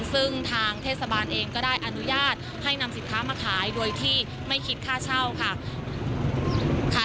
ซึ่งทางเทศบาลเองก็ได้อนุญาตให้นำสินค้ามาขายโดยที่ไม่คิดค่าเช่าค่ะ